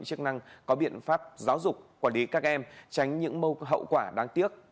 chức năng có biện pháp giáo dục quản lý các em tránh những mâu hậu quả đáng tiếc